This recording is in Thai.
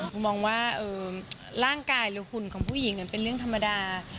มองว่าร่างกายหรือหุ่นของผู้หญิงเป็นเรื่องธรรมดา